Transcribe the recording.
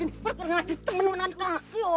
apa kau ngasih teman teman aku